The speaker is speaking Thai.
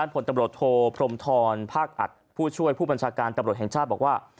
ผลตำรวจโทพรมธรภาคอัดผู้ช่วยผู้บัญชาการตำรวจแห่งชาติบอกว่า